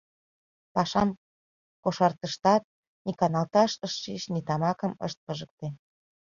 Пашам кошартыштат, ни каналташ ышт шич, ни тамакым ышт пижыкте.